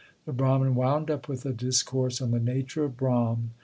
1 The Brahman wound up with a discourse on the nature of Brahm.